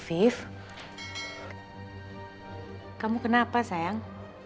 afif kamu kenapa sayang